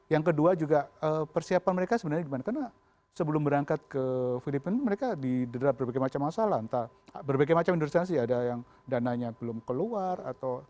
yang kedua juga persiapan mereka sebenarnya dimana karena sebelum berangkat ke filipina mereka diderap berbagai macam masalah entah berbagai macam industri ada yang dananya belum keluar